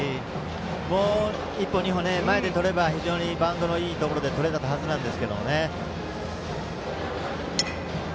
もう１歩２歩、前でとれば非常にバウンドのいいところでとれたはずなんですけどね。